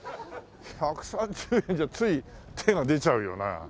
１３０円じゃつい手が出ちゃうよな。